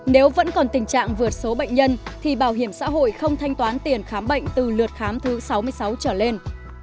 nếu vẫn còn tình trạng vượt số bệnh nhân thì bảo hiểm xã hội không thanh toán tiền khám bệnh từ lượt khám thứ sáu mươi sáu trở lên